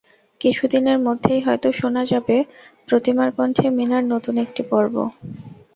কিছুদিনের মধ্যেই হয়তো শোনা যাবে প্রমিতার কণ্ঠে মীনার নতুন একটি পর্ব।